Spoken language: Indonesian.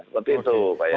seperti itu pak yani